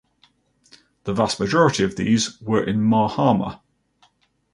The vast majority of these were in Mahama.